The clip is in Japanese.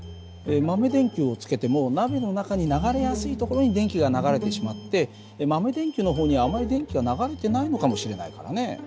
豆電球をつけても鍋の中に流れやすいところに電気が流れてしまって豆電球の方にはあまり電気は流れてないのかもしれないからね。